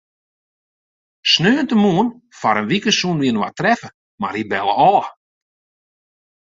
Sneontemoarn foar in wike soene wy inoar treffe, mar hy belle ôf.